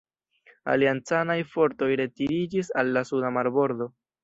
Aliancanaj fortoj retiriĝis al la suda marbordo.